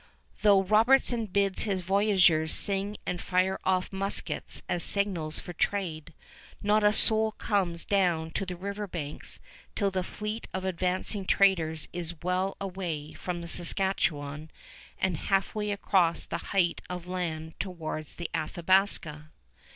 Though Robertson bids his voyageurs sing and fire off muskets as signals for trade, not a soul comes down to the river banks till the fleet of advancing traders is well away from the Saskatchewan and halfway across the height of land towards the Athabasca.